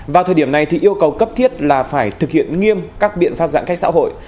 vào thời điểm này thì yêu cầu cấp thiết là phải thực hiện nghiêm các biện pháp giãn cách xã hội